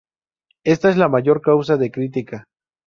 Esta es la mayor causa de crítica.